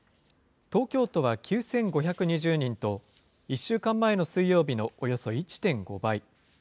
東京都は９５２０人と、１週間前の水曜日のおよそ１．５倍。